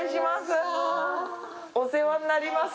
お世話になります。